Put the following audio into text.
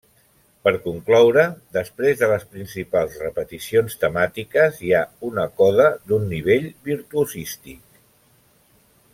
Per concloure, després de les principals repeticions temàtiques hi ha una coda d'un nivell virtuosístic.